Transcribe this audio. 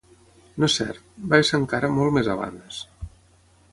No és cert: va esser encara molt més abans...